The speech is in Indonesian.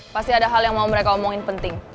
pasti ada hal yang mau mereka omongin penting